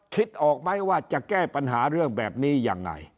คิดออกไหมว่าจะแก้ปัญหาเรื่องแบบนี้ยังไง